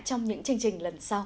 trong những chương trình lần sau